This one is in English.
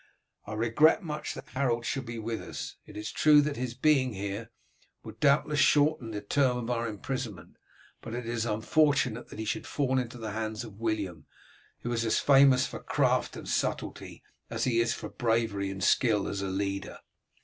I regret much that Harold should be with us. It is true that his being here will doubtless shorten the term of our imprisonment, but it is unfortunate that he should fall into the hands of William, who is as famous for craft and subtlety as he is for bravery and skill as a leader."